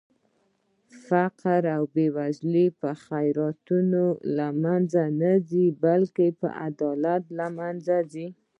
فقر او بې وزلي په خيراتونو لمنخه نه ځي بلکې په عدالت لمنځه ځي